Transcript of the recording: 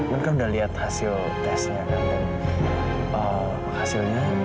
man kamu dengerin aku kan